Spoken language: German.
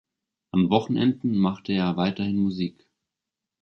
An Wochenenden machte er weiterhin Musik.